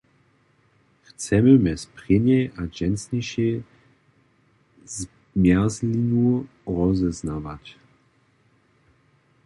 Chcemy mjez prěnjej a dźensnišej zmjerzlinu rozeznawać?